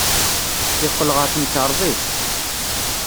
Yeqqel ɣer temkarḍit.